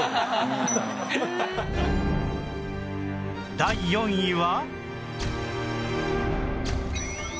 第４位は